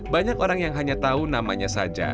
banyak orang yang hanya tahu namanya saja